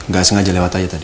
nggak sengaja lewat aja tadi